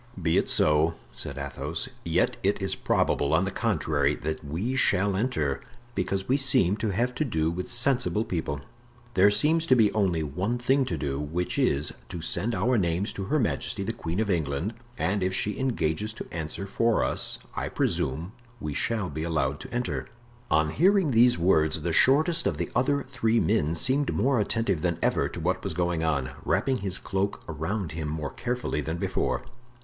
"Be it so," said Athos; "yet it is probable, on the contrary, that we shall enter, because we seem to have to do with sensible people. There seems to be only one thing to do, which is, to send our names to Her Majesty the Queen of England, and if she engages to answer for us I presume we shall be allowed to enter." On hearing these words the shortest of the other three men seemed more attentive than ever to what was going on, wrapping his cloak around him more carefully than before.